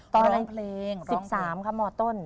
ตอน๑๓ค่ะหมอต้น